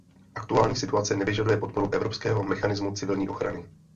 Aktuální situace nevyžaduje podporu evropského mechanismu civilní ochrany.